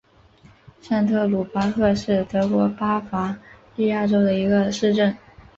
上特鲁巴赫是德国巴伐利亚州的一个市镇。